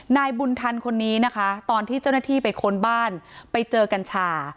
นายบุญทันคนนี้นะคะตอนที่เจ้าหน้าที่ไปค้นบ้านไปเจอกัญชา